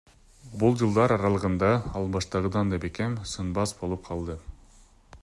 Бул жылдар аралыгында ал баштагыдан да бекем, сынбас болуп калды.